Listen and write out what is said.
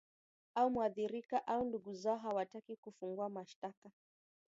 au muathirika au ndugu zao hawataki kufungua mashtaka